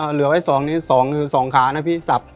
เหลือไว้๒นี้๒คือ๒ขานะพี่สับ